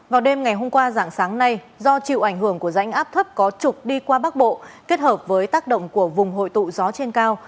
vào đêm ngày hôm qua dạng sáng nay do chịu ảnh hưởng của rãnh áp thấp có trục đi qua bắc bộ kết hợp với tác động của vùng hội tụ gió trên cao